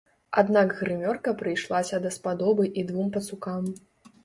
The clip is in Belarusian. Аднак грымёрка прыйшлася даспадобы і двум пацукам.